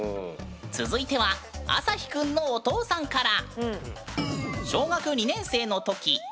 続いてはアサヒくんのお父さんから！